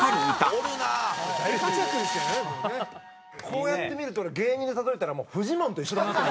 こうやって見ると芸人で例えたらもうフジモンと一緒だなと。